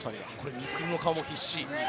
未来の顔も必死。